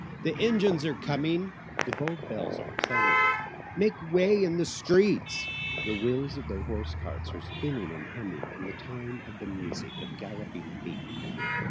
the engines are coming! The bold bells are clanging, "Make way in the street!" The wheels of the hose cart are spinning and humming In time to the music of galloping feet.